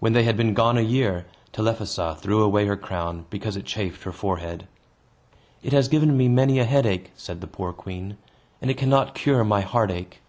When they had been gone a year, Telephassa threw away her crown, because it chafed her forehead. "It has given me many a headache," said the poor queen, "and it cannot cure my heartache."